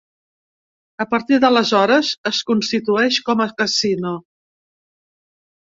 A partir d'aleshores es constitueix com a casino.